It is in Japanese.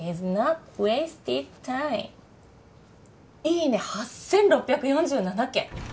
「いいね！」８６４７件！